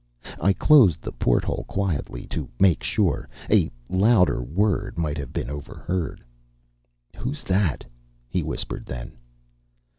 I closed the porthole quietly, to make sure. A louder word might have been overheard. "Who's that?" he whispered then.